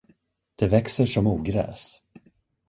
Det växer som ogräs.